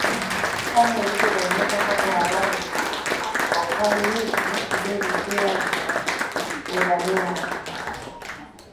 Kama ilivyobainika hapo awali, vokali hizi mbili pia ni za nyuma